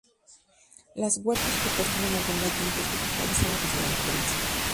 Las huertas proporcionan abundantes ingredientes vegetales a la cocina de la provincia.